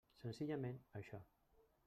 Senzillament això.